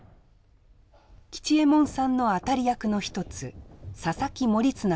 吉右衛門さんの当たり役の一つ佐々木盛綱です。